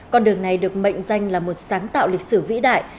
con đường này được mệnh danh là một sáng tạo lịch sử vĩ đại